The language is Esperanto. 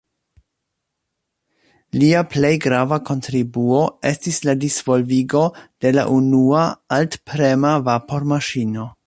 Lia plej grava kontribuo estis la disvolvigo de la unua alt-prema vapormaŝino.